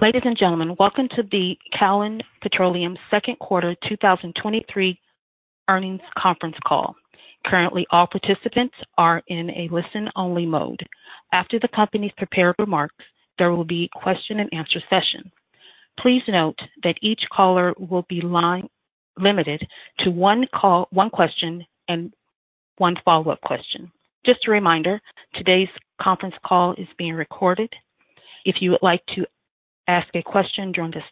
Ladies and gentlemen, welcome to the Callon Petroleum Second Quarter 2023 earnings conference call. Currently, all participants are in a listen-only mode. After the company's prepared remarks, there will be a question-and-answer session. Please note that each caller will be limited to one call, one question, and one follow-up question. Just a reminder, today's conference call is being recorded. If you would like to ask a question during this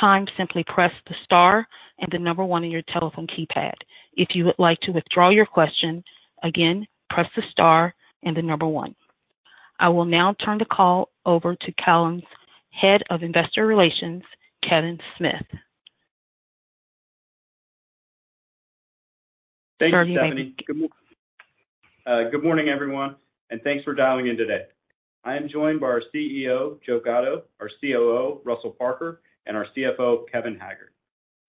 time, simply press the star and 1 on your telephone keypad. If you would like to withdraw your question, again, press the star and 1. I will now turn the call over to Callon's Head of Investor Relations, Kevin Smith. Thank you, Stephanie. Good morning, everyone, and thanks for dialing in today. I am joined by our CEO, Joe Gatto, our COO, Russell Parker, and our CFO, Kevin Haggard.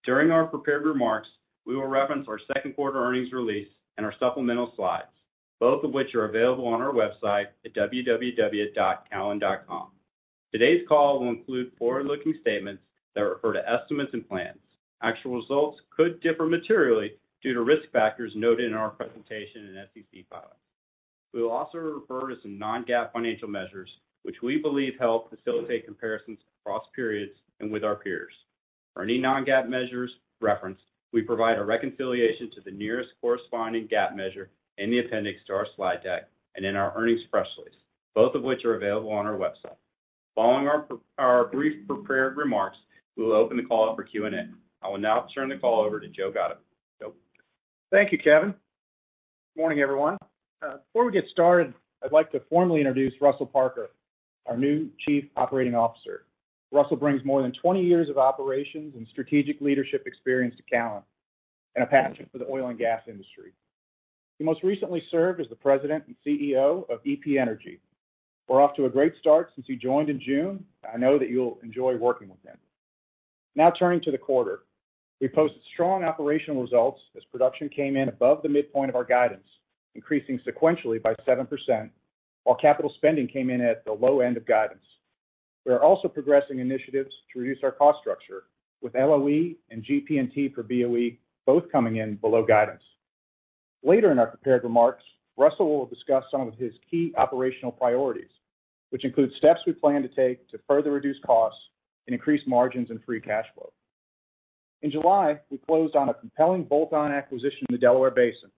During our prepared remarks, we will reference our second quarter earnings release and our supplemental slides, both of which are available on our website at www.callon.com. Today's call will include forward-looking statements that refer to estimates and plans. Actual results could differ materially due to risk factors noted in our presentation and SEC filings. We will also refer to some non-GAAP financial measures, which we believe help facilitate comparisons across periods and with our peers. For any non-GAAP measures referenced, we provide a reconciliation to the nearest corresponding GAAP measure in the appendix to our slide deck and in our earnings press release, both of which are available on our website. Following our brief prepared remarks, we will open the call up for Q&A. I will now turn the call over to Joe Gatto. Joe? Thank you, Kevin. Good morning, everyone. Before we get started, I'd like to formally introduce Russell Parker, our new Chief Operating Officer. Russell brings more than 20 years of operations and strategic leadership experience to Callon, and a passion for the oil and gas industry. He most recently served as the President and CEO of EP Energy. We're off to a great start since he joined in June. I know that you'll enjoy working with him. Now turning to the quarter. We posted strong operational results as production came in above the midpoint of our guidance, increasing sequentially by 7%, while capital spending came in at the low end of guidance. We are also progressing initiatives to reduce our cost structure, with LOE and GP&T for BOE both coming in below guidance. Later in our prepared remarks, Russell will discuss some of his key operational priorities, which include steps we plan to take to further reduce costs and increase margins and free cash flow. In July, we closed on a compelling bolt-on acquisition in the Delaware Basin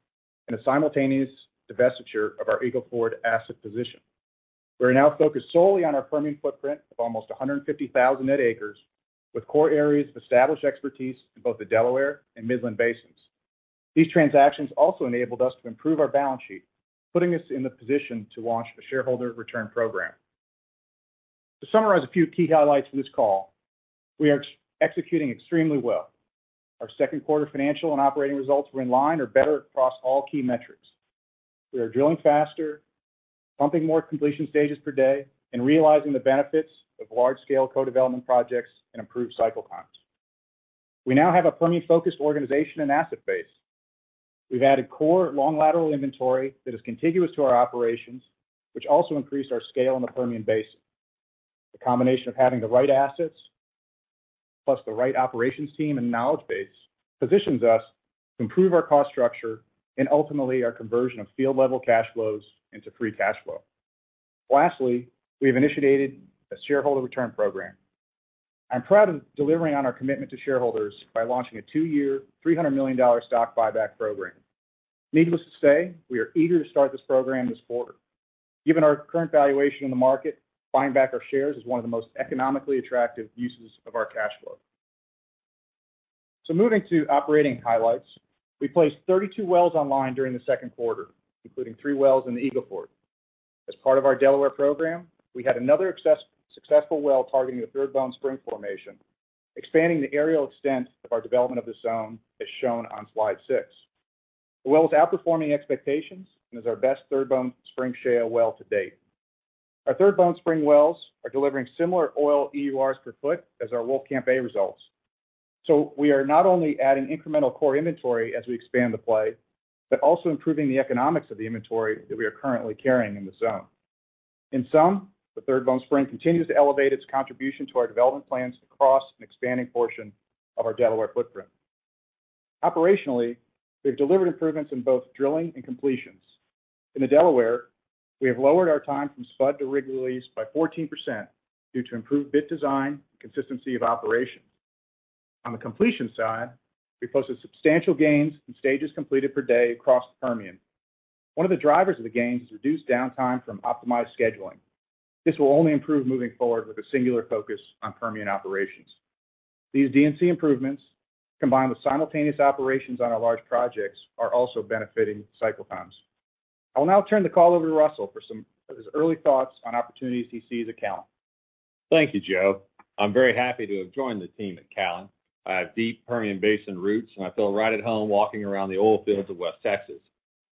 and a simultaneous divestiture of our Eagle Ford asset position. We are now focused solely on our Permian footprint of almost 150,000 net acres, with core areas of established expertise in both the Delaware and Midland Basin. These transactions also enabled us to improve our balance sheet, putting us in the position to launch a shareholder return program. To summarize a few key highlights for this call, we are executing extremely well. Our second quarter financial and operating results were in line or better across all key metrics. We are drilling faster, pumping more completion stages per day, and realizing the benefits of large-scale co-development projects and improved cycle times. We now have a Permian-focused organization and asset base. We've added core long lateral inventory that is contiguous to our operations, which also increased our scale in the Permian Basin. The combination of having the right assets, plus the right operations team and knowledge base, positions us to improve our cost structure and ultimately our conversion of field-level cash flows into free cash flow. Lastly, we have initiated a shareholder return program. I'm proud of delivering on our commitment to shareholders by launching a 2-year, $300 million stock buyback program. Needless to say, we are eager to start this program this quarter. Given our current valuation in the market, buying back our shares is one of the most economically attractive uses of our cash flow. Moving to operating highlights, we placed 32 wells online during the second quarter, including 3 wells in the Eagle Ford. As part of our Delaware program, we had another successful well targeting the Third Bone Spring formation, expanding the aerial extent of our development of this zone, as shown on slide 6. The well is outperforming expectations and is our best Third Bone Spring shale well to date. Our Third Bone Spring wells are delivering similar oil EURs per foot as our Wolfcamp A results. We are not only adding incremental core inventory as we expand the play, but also improving the economics of the inventory that we are currently carrying in the zone. In sum, the Third Bone Spring continues to elevate its contribution to our development plans across an expanding portion of our Delaware footprint. Operationally, we've delivered improvements in both drilling and completions. In the Delaware, we have lowered our time from spud to rig release by 14% due to improved bit design and consistency of operations. On the completion side, we posted substantial gains in stages completed per day across the Permian. One of the drivers of the gains is reduced downtime from optimized scheduling. This will only improve moving forward with a singular focus on Permian operations. These DNC improvements, combined with simultaneous operations on our large projects, are also benefiting cycle times. I will now turn the call over to Russell for some of his early thoughts on opportunities he sees at Callon. Thank you, Joe. I'm very happy to have joined the team at Callon. I have deep Permian Basin roots, and I feel right at home walking around the oil fields of West Texas.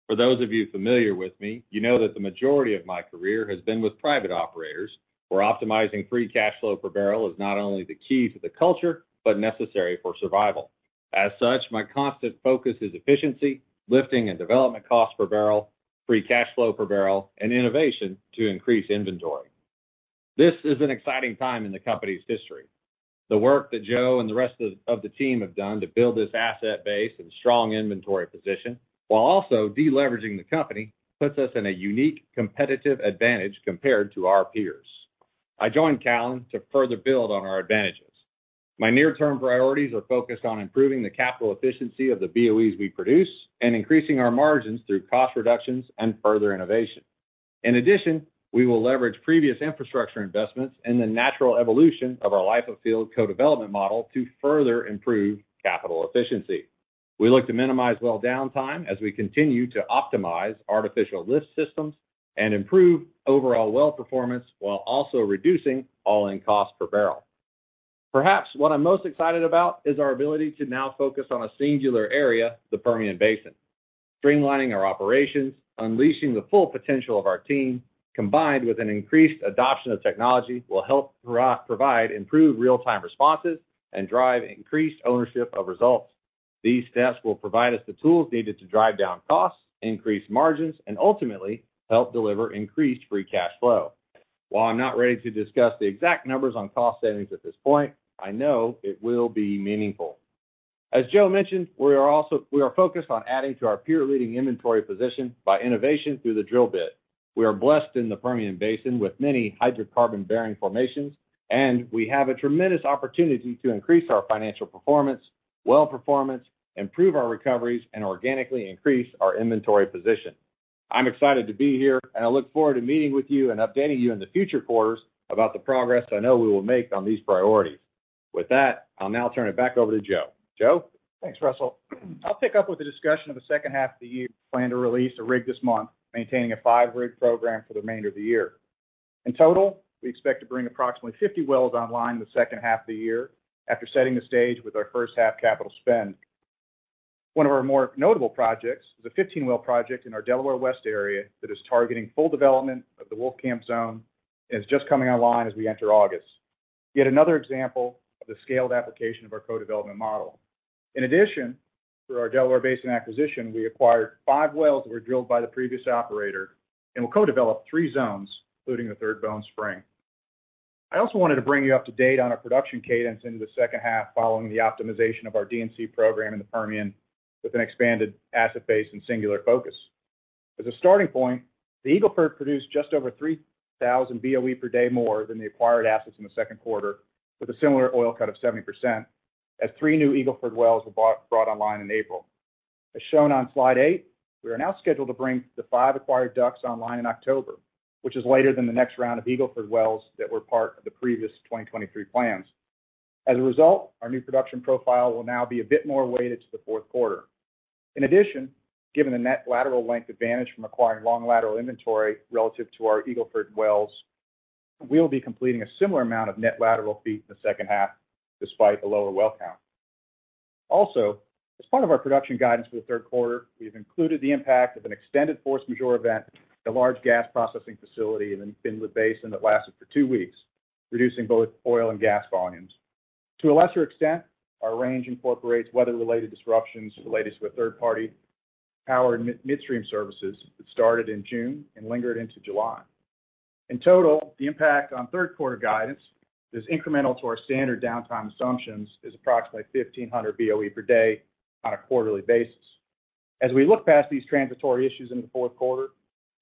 For those of you familiar with me, you know that the majority of my career has been with private operators, where optimizing free cash flow per barrel is not only the key to the culture, but necessary for survival. As such, my constant focus is efficiency, lifting and development cost per barrel, free cash flow per barrel, and innovation to increase inventory. This is an exciting time in the company's history. The work that Joe and the rest of the team have done to build this asset base and strong inventory position, while also deleveraging the company, puts us in a unique competitive advantage compared to our peers. I joined Callon to further build on our advantages. My near-term priorities are focused on improving the capital efficiency of the BOEs we produce and increasing our margins through cost reductions and further innovation. In addition, we will leverage previous infrastructure investments and the natural evolution of our life of field co-development model to further improve capital efficiency. We look to minimize well downtime as we continue to optimize artificial lift systems and improve overall well performance, while also reducing all-in cost per barrel. Perhaps what I'm most excited about is our ability to now focus on a singular area, the Permian Basin. Streamlining our operations, unleashing the full potential of our team, combined with an increased adoption of technology, will help provide improved real-time responses and drive increased ownership of results. These steps will provide us the tools needed to drive down costs, increase margins, and ultimately, help deliver increased free cash flow. While I'm not ready to discuss the exact numbers on cost savings at this point, I know it will be meaningful. As Joe mentioned, we are focused on adding to our peer-leading inventory position by innovation through the drill bit. We are blessed in the Permian Basin with many hydrocarbon-bearing formations, and we have a tremendous opportunity to increase our financial performance, well performance, improve our recoveries, and organically increase our inventory position. I'm excited to be here, and I look forward to meeting with you and updating you in the future quarters about the progress I know we will make on these priorities. With that, I'll now turn it back over to Joe. Joe? Thanks, Russell. I'll pick up with a discussion of the second half of the year. Plan to release a rig this month, maintaining a five-rig program for the remainder of the year. In total, we expect to bring approximately 50 wells online in the second half of the year after setting the stage with our first half capital spend. One of our more notable projects is a 15-well project in our Delaware West area that is targeting full development of the Wolfcamp zone and is just coming online as we enter August. Yet another example of the scaled application of our co-development model. In addition, through our Delaware Basin acquisition, we acquired five wells that were drilled by the previous operator and will co-develop three zones, including the Third Bone Spring. I also wanted to bring you up to date on our production cadence into the second half, following the optimization of our DNC program in the Permian with an expanded asset base and singular focus. As a starting point, the Eagle Ford produced just over 3,000 BOE per day, more than the acquired assets in the second quarter, with a similar oil cut of 70%, as 3 new Eagle Ford wells were brought online in April. As shown on slide 8, we are now scheduled to bring the 5 acquired DUCs online in October, which is later than the next round of Eagle Ford wells that were part of the previous 2023 plans. As a result, our new production profile will now be a bit more weighted to the fourth quarter. Given the net lateral length advantage from acquiring long lateral inventory relative to our Eagle Ford wells, we'll be completing a similar amount of net lateral feet in the second half, despite a lower well count. Also, as part of our production guidance for the third quarter, we've included the impact of an extended force majeure event, a large gas processing facility in the Midland Basin that lasted for two weeks, reducing both oil and gas volumes. To a lesser extent, our range incorporates weather-related disruptions related to a third-party power and midstream services that started in June and lingered into July. In total, the impact on third quarter guidance is incremental to our standard downtime assumptions, is approximately 1,500 BOE per day on a quarterly basis. As we look past these transitory issues in the fourth quarter,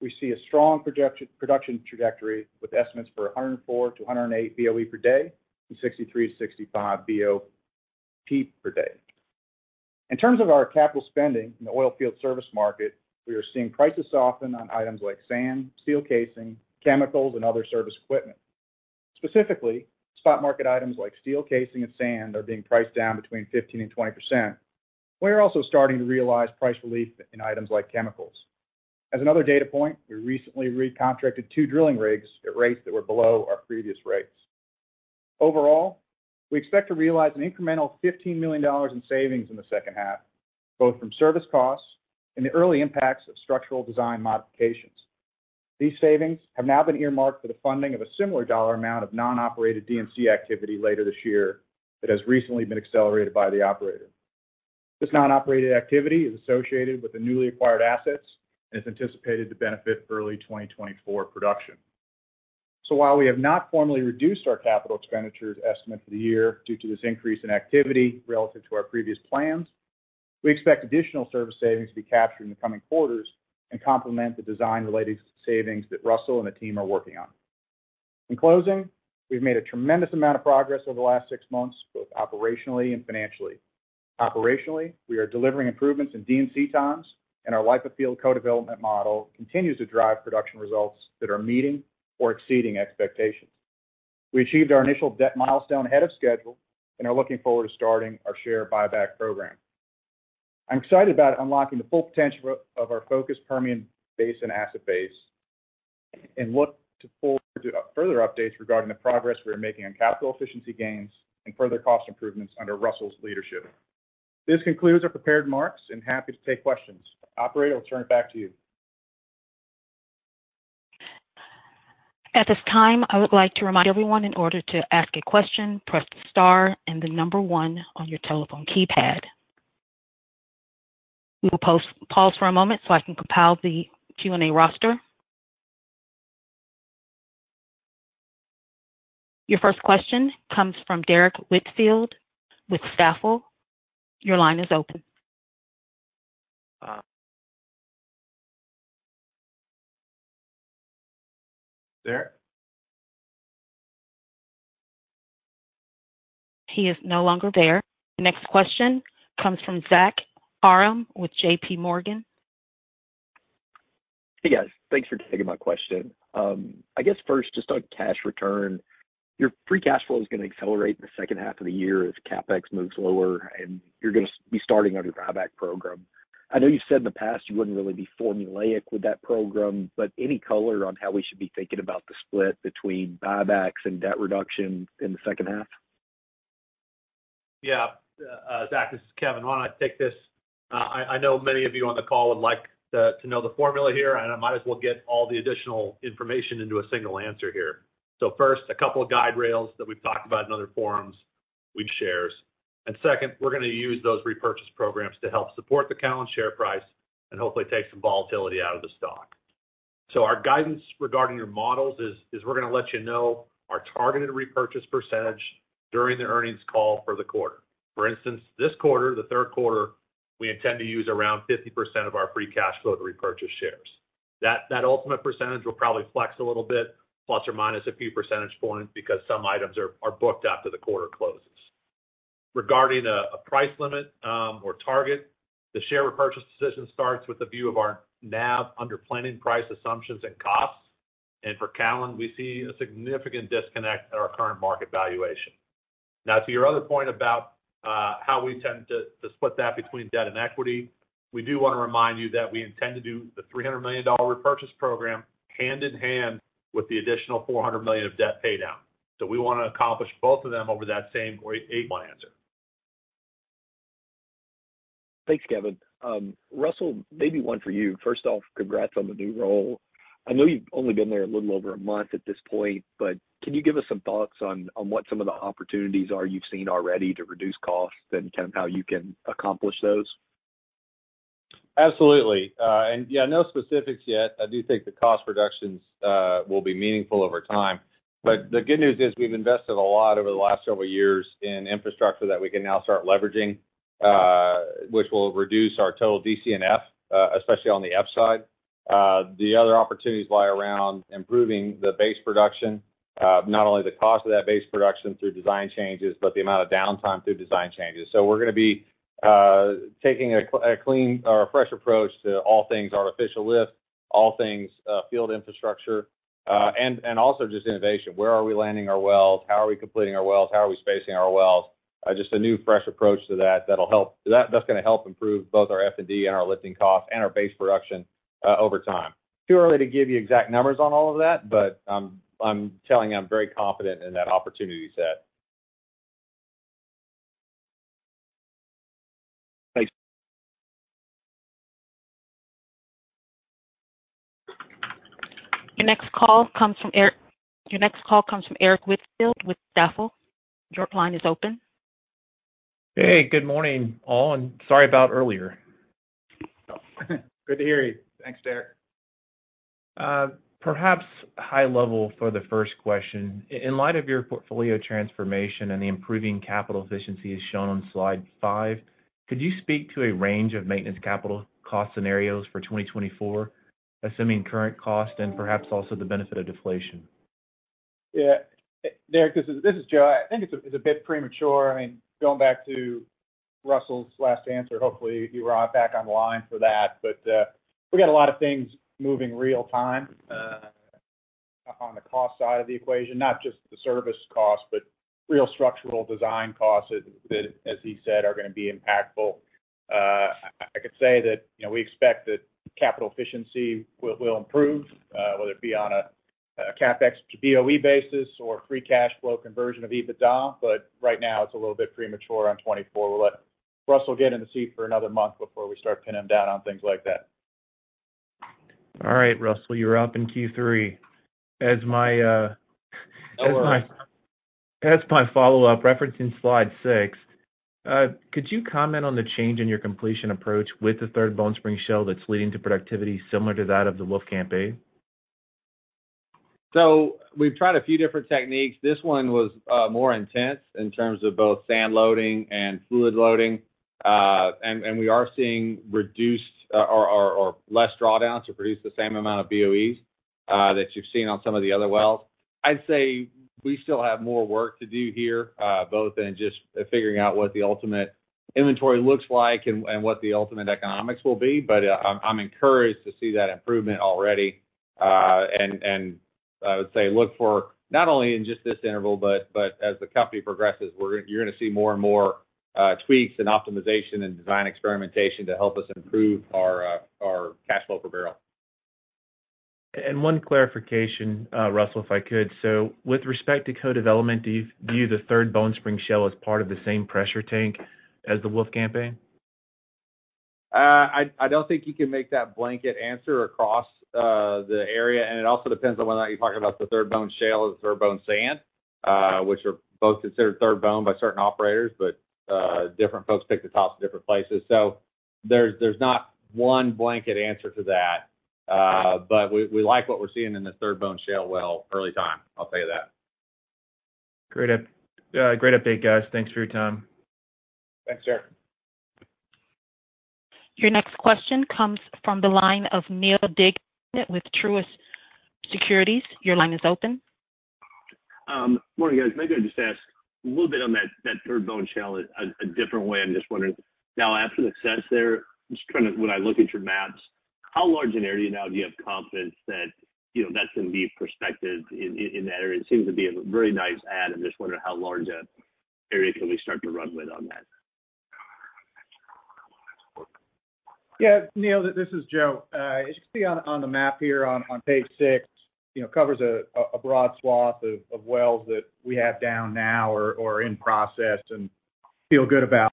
we see a strong production trajectory with estimates for 104-108 BOE per day and 63-65 BOPD per day. In terms of our capital spending in the oil field service market, we are seeing prices soften on items like sand, steel casing, chemicals, and other service equipment. Specifically, spot market items like steel casing and sand are being priced down between 15% and 20%. We are also starting to realize price relief in items like chemicals. As another data point, we recently recontracted 2 drilling rigs at rates that were below our previous rates. Overall, we expect to realize an incremental $15 million in savings in the second half, both from service costs and the early impacts of structural design modifications. These savings have now been earmarked for the funding of a similar dollar amount of non-operated DNC activity later this year that has recently been accelerated by the operator. This non-operated activity is associated with the newly acquired assets and is anticipated to benefit early 2024 production. While we have not formally reduced our capital expenditures estimate for the year due to this increase in activity relative to our previous plans, we expect additional service savings to be captured in the coming quarters and complement the design-related savings that Russell and the team are working on. In closing, we've made a tremendous amount of progress over the last 6 months, both operationally and financially. Operationally, we are delivering improvements in DNC times, and our life of field co-development model continues to drive production results that are meeting or exceeding expectations. We achieved our initial debt milestone ahead of schedule and are looking forward to starting our share buyback program. I'm excited about unlocking the full potential of our focused Permian Basin asset base and look to forward to further updates regarding the progress we are making on capital efficiency gains and further cost improvements under Russell's leadership. This concludes our prepared remarks, and happy to take questions. Operator, I'll turn it back to you.... At this time, I would like to remind everyone, in order to ask a question, press star and the 1 on your telephone keypad. We will pause for a moment so I can compile the Q&A roster. Your first question comes from Derrick Whitfield with Stifel. Your line is open. Derrick? He is no longer there. The next question comes from Zach Parham with JPMorgan. Hey, guys. Thanks for taking my question. I guess first, just on cash return, your free cash flow is gonna accelerate in the second half of the year as CapEx moves lower, and you're gonna be starting on your buyback program. I know you've said in the past you wouldn't really be formulaic with that program, but any color on how we should be thinking about the split between buybacks and debt reduction in the second half? Yeah. Zach, this is Kevin. Why don't I take this? I know many of you on the call would like to know the formula here. I might as well get all the additional information into a single answer here. First, a couple of guide rails that we've talked about in other forums, we shares. Second, we're gonna use those repurchase programs to help support the Callon share price and hopefully take some volatility out of the stock. Our guidance regarding your models is we're gonna let you know our targeted repurchase % during the earnings call for the quarter. For instance, this quarter, the 3rd quarter, we intend to use around 50% of our free cash flow to repurchase shares. That, that ultimate percentage will probably flex a little bit, plus or minus a few percentage points, because some items are, are booked after the quarter closes. Regarding a price limit, or target, the share repurchase decision starts with a view of our NAV under planning price assumptions and costs. For Callon, we see a significant disconnect in our current market valuation. To your other point about how we tend to split that between debt and equity, we do wanna remind you that we intend to do the $300 million repurchase program hand in hand with the additional $400 million of debt paydown. We wanna accomplish both of them over that same eighteen-month answer. Thanks, Kevin. Russell, maybe one for you. First off, congrats on the new role. I know you've only been there a little over a month at this point, but can you give us some thoughts on, on what some of the opportunities are you've seen already to reduce costs and kind of how you can accomplish those? Absolutely. Yeah, no specifics yet. I do think the cost reductions will be meaningful over time. The good news is, we've invested a lot over the last several years in infrastructure that we can now start leveraging, which will reduce our total DC and F, especially on the F side. The other opportunities lie around improving the base production, not only the cost of that base production through design changes, but the amount of downtime through design changes. We're gonna be taking a clean or a fresh approach to all things artificial lift, all things field infrastructure, and also just innovation. Where are we landing our wells? How are we completing our wells? How are we spacing our wells? Just a new, fresh approach to that, that'll help... That, that's gonna help improve both our F&D and our lifting costs and our base production over time. Too early to give you exact numbers on all of that, but I'm telling you, I'm very confident in that opportunity set. Thanks. Your next call comes from Eric. Your next call comes from Derrick Whitfield with Stifel. Your line is open. Hey, good morning, all, and sorry about earlier. Good to hear you. Thanks, Derrick. Perhaps high level for the first question. In light of your portfolio transformation and the improving capital efficiency as shown on slide 5, could you speak to a range of maintenance capital cost scenarios for 2024, assuming current cost and perhaps also the benefit of deflation? Yeah. Derrick, this is Joe. I think it's a bit premature. I mean, going back to Russell Parker's last answer, hopefully you were back on the line for that. We got a lot of things moving real time on the cost side of the equation, not just the service cost, but real structural design costs that, as he said, are gonna be impactful. I, I could say that, you know, we expect that capital efficiency will improve, whether it be on a CapEx to BOE basis or free cash flow conversion of EBITDA. Right now, it's a little bit premature on 2024. We'll let Russell Parker get in the seat for another month before we start pinning him down on things like that. All right, Russell, you're up in Q3. No worries. As my follow-up, referencing slide six, could you comment on the change in your completion approach with the Third Bone Spring Shale that's leading to productivity similar to that of the Wolfcamp? We've tried a few different techniques. This one was more intense in terms of both sand loading and fluid loading. We are seeing reduced, or, or, or less drawdowns to produce the same amount of BOEs that you've seen on some of the other wells. I'd say we still have more work to do here, both in just figuring out what the ultimate inventory looks like and what the ultimate economics will be. I'm encouraged to see that improvement already. I would say look for, not only in just this interval, but as the company progresses, you're gonna see more and more tweaks and optimization and design experimentation to help us improve our cash flow per barrel. One clarification, Russell, if I could. So with respect to co-development, do you view the Third Bone Spring Shale as part of the same pressure tank as the Wolfcamp A?... I don't think you can make that blanket answer across the area. It also depends on whether or not you're talking about the Third Bone Shale or Third Bone Sand, which are both considered Third Bone by certain operators, but different folks pick the tops at different places. There's not one blanket answer to that. We like what we're seeing in the Third Bone Shale well, early time, I'll tell you that. Great update, guys. Thanks for your time. Thanks, sir. Your next question comes from the line of Neal Dingmann with Truist Securities. Your line is open. Morning, guys. Maybe I'll just ask a little bit on that, that Third Bone Spring Shale, a, a different way. I'm just wondering, now, after the success there, just kinda when I look at your maps, how large an area now do you have confidence that, you know, that's going to be prospective in, in, in that area? It seems to be a very nice add. I'm just wondering how large an area can we start to run with on that? Yeah, Neal, this is Joe. As you can see on, on the map here on, on page 6, you know, covers a, a broad swath of, of wells that we have down now or, or in process and feel good about,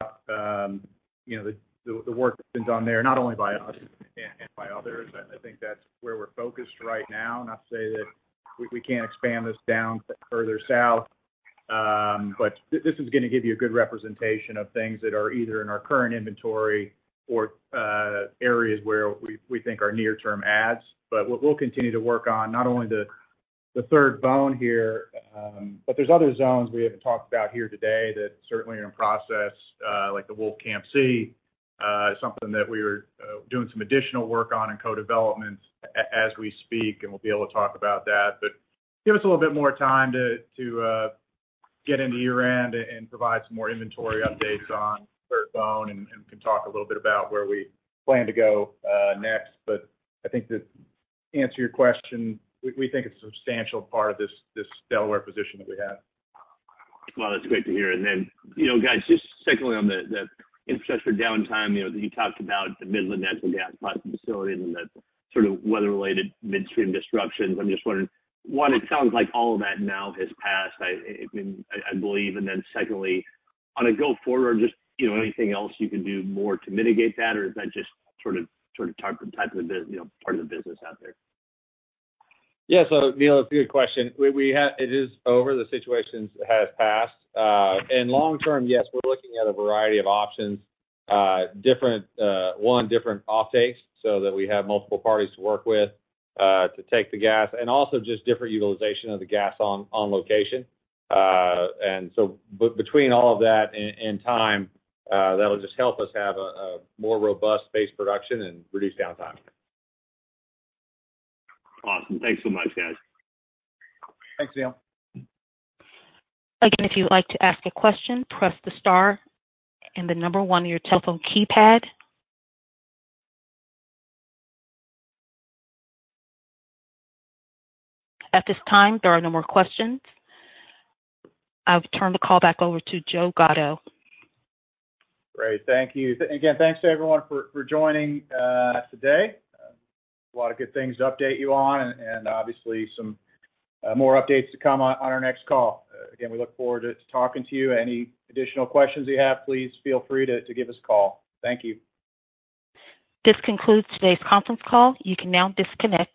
you know, the, the, the work that's been done there, not only by us and, and by others. I, I think that's where we're focused right now. Not to say that we, we can't expand this down further south, but this is gonna give you a good representation of things that are either in our current inventory or areas where we, we think are near-term adds. We'll, we'll continue to work on not only the, the Third Bone here, but there's other zones we haven't talked about here today that certainly are in process, like the Wolfcamp C, something that we are doing some additional work on and co-development as we speak, and we'll be able to talk about that. Give us a little bit more time to get into year-end and provide some more inventory updates on Third Bone, and can talk a little bit about where we plan to go next. I think to answer your question, we, we think it's a substantial part of this, this Delaware position that we have. Well, that's great to hear. You know, guys, just secondly, on the infrastructure downtime, you know, you talked about the Midland natural gas processing facility and the sort of weather-related midstream disruptions. I'm just wondering, one, it sounds like all of that now has passed. I mean, I believe. Secondly, on a go forward, just, you know, anything else you can do more to mitigate that, or is that just sort of type of bus-- you know, part of the business out there? Yeah. Neal, it's a good question. It is over. The situation has passed. Long term, yes, we're looking at a variety of options, different, one, different off takes, so that we have multiple parties to work with, to take the gas, and also just different utilization of the gas on, on location. Between all of that and, and time, that will just help us have a, a more robust base production and reduce downtime. Awesome. Thanks so much, guys. Thanks, Neal. Again, if you'd like to ask a question, press the star and the number one on your telephone keypad. At this time, there are no more questions. I'll turn the call back over to Joe Gatto. Great. Thank you. Again, thanks to everyone for, for joining us today. A lot of good things to update you on, and obviously some more updates to come on, on our next call. Again, we look forward to talking to you. Any additional questions you have, please feel free to, to give us a call. Thank you. This concludes today's conference call. You can now disconnect.